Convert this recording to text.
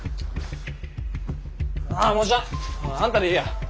もうじゃああんたでいいや。